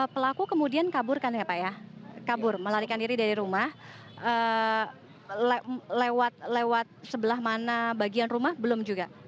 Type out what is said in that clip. pelaku kemudian kabur melalui diri dari rumah lewat lewat sebelah mana bagian rumah belum juga